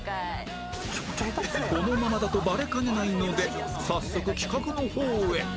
このままだとバレかねないので早速企画の方へ